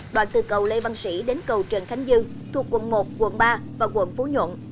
đoạn từ cầu lê văn sĩ đến cầu trần khánh dương thuộc quận một quận ba và quận phú nhuận